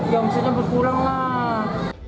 ya maksudnya berkurang lah